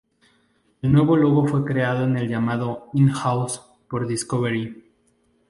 El nuevo logo fue creado en el llamado in-house por Discovery.